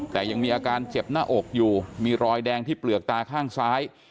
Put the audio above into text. แต่ยังมีอาการเจ็บหน้าอกอยู่มีรอยแดงที่เปลือกตาข้างซ้าย